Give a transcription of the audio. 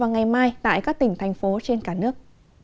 ngày mai tại các tỉnh thành phố trên cả nước